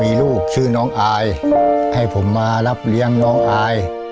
มีลูกชื่อน้องอายให้ผมมารับเลี้ยงน้องอาย